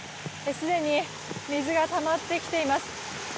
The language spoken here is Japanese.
すでに水がたまってきています。